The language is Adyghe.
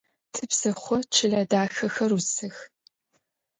Типсыхъо чылэ дахэхэр ӏусых.